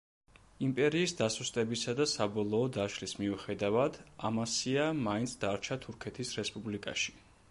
იმპერიის დასუსტებისა და საბოლოო დაშლის მიუხედავად, ამასია მაინც დარჩა თურქეთის რესპუბლიკაში.